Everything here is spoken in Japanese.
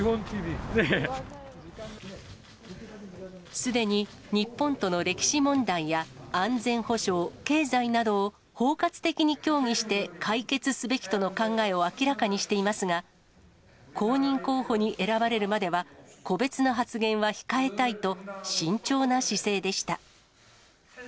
すでに日本との歴史問題や安全保障、経済などを包括的に協議して解決すべきとの考えを明らかにしていますが、公認候補に選ばれるまでは、個別の発言は控えたいと、慎重な姿勢でした。